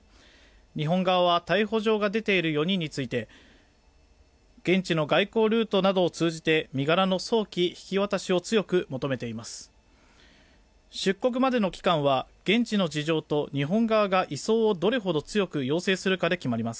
日本側は逮捕状が出ている４人について現地の外交ルートなどを通じて身柄の早期引き渡しを強く求めています。